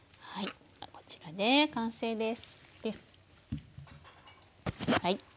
こちらで完成です。